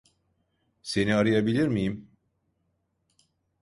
Seni arayabilir miyim?